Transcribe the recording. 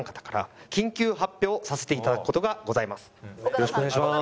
よろしくお願いします。